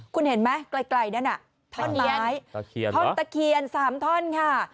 คุณเห็นไหมใกล้ท่อนตะเคียน๓ท่อนค่ะ